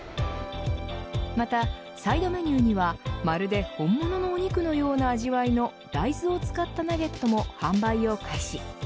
またサイドメニューにはまるで本物のお肉のような味わいの大豆を使ったナゲットの販売を開始。